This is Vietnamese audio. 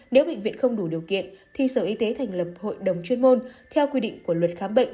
nếu bệnh viện không đủ điều kiện thì sở y tế thành lập hội đồng chuyên môn theo quy định của luật khám bệnh